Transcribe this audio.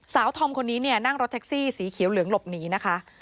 ธอมคนนี้เนี่ยนั่งรถแท็กซี่สีเขียวเหลืองหลบหนีนะคะ